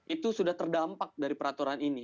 itu sudah terdampak dari peraturan ini